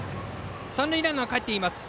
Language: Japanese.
三塁ランナー、かえってきました。